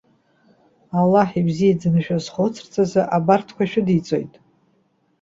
Аллаҳ ибзиаӡаны шәазхәцырц азы абарҭқәа шәыдиҵоит.